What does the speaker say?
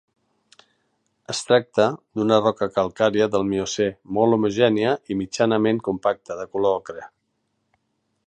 Es tracta d'una roca calcària del Miocè, molt homogènia i mitjanament compacta, de color ocre.